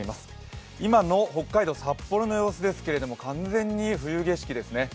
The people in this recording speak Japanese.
今の北海道・札幌の様子ですけど完全に冬景色ですね。